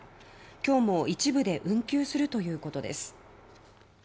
今日も一部で運休するということです。